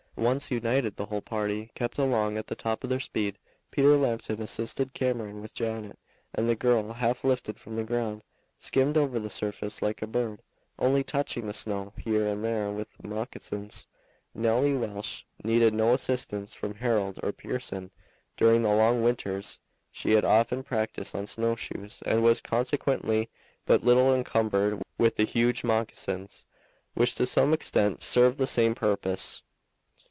Once united the whole party kept along at the top of their speed. Peter Lambton assisted Cameron with Janet, and the girl, half lifted from the ground, skimmed over the surface like a bird, only touching the snow here and there with the moccasins. Nelly Welch needed no assistance from Harold or Pearson. During the long winters she had often practiced on snow shoes, and was consequently but little encumbered with the huge moccasins, which to some extent served the same purpose.